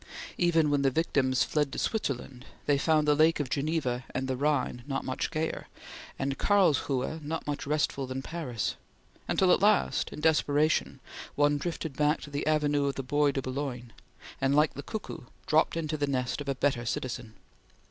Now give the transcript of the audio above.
Even when the victims fled to Switzerland, they found the Lake of Geneva and the Rhine not much gayer, and Carlsruhe no more restful than Paris; until at last, in desperation, one drifted back to the Avenue of the Bois de Boulogne, and, like the Cuckoo, dropped into the nest of a better citizen.